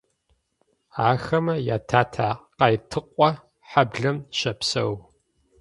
Ахэмэ ятатэ Къайтыкъо хьаблэм щэпсэу.